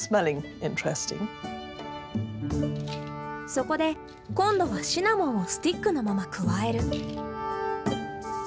そこで今度はシナモンをスティックのまま加える。